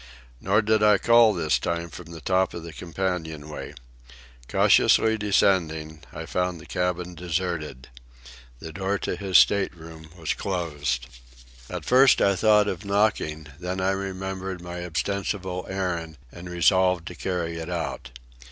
Nor did I call this time from the top of the companion way. Cautiously descending, I found the cabin deserted. The door to his state room was closed. At first I thought of knocking, then I remembered my ostensible errand and resolved to carry it out.